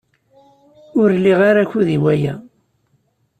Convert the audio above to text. Ur liɣ ara akud i waya.